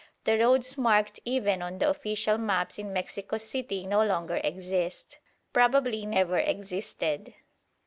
The roads marked even on the official maps in Mexico City no longer exist, probably never existed.